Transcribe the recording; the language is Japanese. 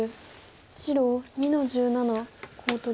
白２の十七コウ取り。